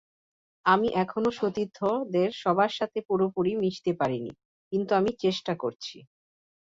আমি এখনো সতীর্থদের সবার সঙ্গে পুরোপুরি মিশতে পারিনি, কিন্তু আমি চেষ্টা করছি।